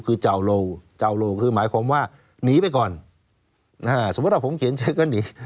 คือเจ้าโลเจ้าโลคือหมายความว่าหนีไปก่อนสมมุติว่าผมเขียนเจอก็หนี